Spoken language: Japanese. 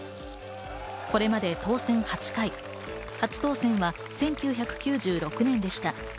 これまで当選８回、初当選は１９９６年でした。